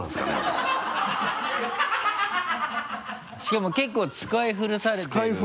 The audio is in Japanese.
しかも結構使い古されている。